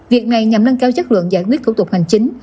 việc này nhằm nâng cao chất lượng giải quyết thủ tục hành chính